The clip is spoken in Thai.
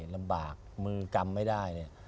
ลำบากมือกำไม่ได้เนี่ย